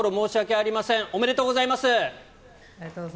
ありがとうございます。